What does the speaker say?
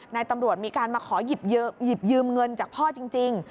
นายตำรวจมีการมาขอหยิบยืมเงินจากพ่อจริง